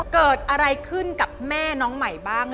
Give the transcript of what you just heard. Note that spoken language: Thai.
เกิดอะไรขึ้นกับแม่น้องใหม่บ้าง